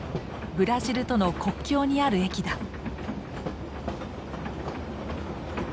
ブラジルとの国境にある駅だ。